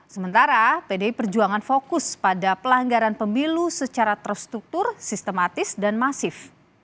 sementara pdi perjuangan fokus pada pelanggaran pemilu secara terstruktur sistematis dan masif